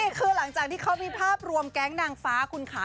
นี่คือหลังจากที่เขามีภาพรวมแก๊งนางฟ้าคุณขา